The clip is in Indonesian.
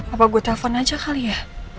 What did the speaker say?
apa gue telpon aja kali ya